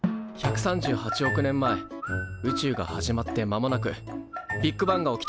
１３８億年前宇宙が始まって間もなくビッグバンが起きた。